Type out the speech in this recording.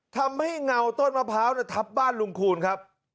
เงาต้นมะพร้าวทับบ้านลุงคูณครับ